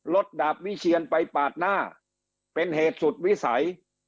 ดาบวิเชียนไปปาดหน้าเป็นเหตุสุดวิสัย